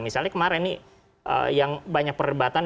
misalnya kemarin nih yang banyak perdebatan